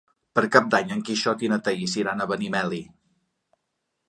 Per Cap d'Any en Quixot i na Thaís iran a Benimeli.